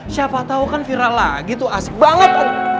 siapa tau kan viral lagi tuh asik banget